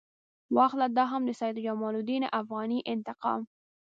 واخله دا هم د سید جمال الدین افغاني انتقام.